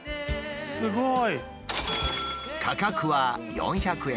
すごい！